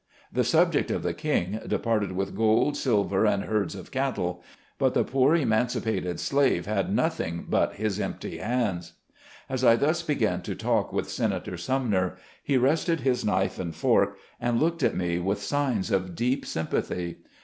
The subject of the king departed with gold, silver, and herds of cattle ; but the poor emancipated slave had nothing but his empty hands." As I thus began to talk with Senator Sumner, he rested his knife and fork, and RETROSPECT. 137 looked at me with signs of deep sympathy.